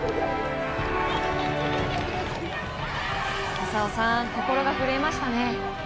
浅尾さん、心が震えましたね。